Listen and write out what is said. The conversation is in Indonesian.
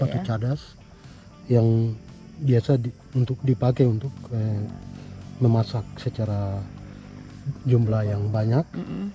batu cadas yang biasa dipakai untuk memasak secara jumlah yang banyak